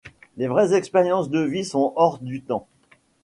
Les vraies expériences de vie sont hors du temps.